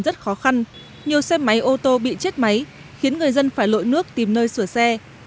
trong đó nơi nước ngập sâu gần rất khó khăn nhiều xe máy ô tô bị chết máy khiến người dân phải lội nước tìm nơi sửa xe